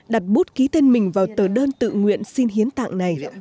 đặt bút ký tên mình vào tờ đơn tự nguyện xin hiến tặng này